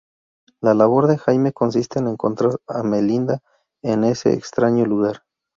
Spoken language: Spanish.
La labor de Jamie consiste en encontrar a Melinda en ese extraño lugar.